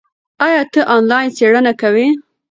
ایا ته آنلاین څېړنه کوې؟